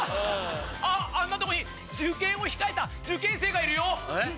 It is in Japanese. あっあんなとこに受験を控えた受験生がいるよ。